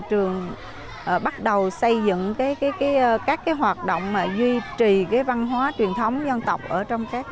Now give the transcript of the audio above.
trường bắt đầu xây dựng các cái hoạt động mà duy trì cái văn hóa truyền thống dân tộc ở trong các